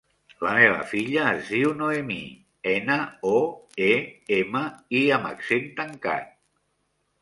La meva filla es diu Noemí: ena, o, e, ema, i amb accent tancat.